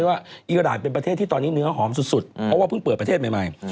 ว่าอีรานเป็นประเทศที่ตอนนี้เนื้อหอมสุดเพราะว่าเพิ่งเปิดประเทศใหม่